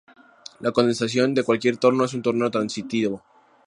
La condensación de cualquier torneo es un torneo transitivo.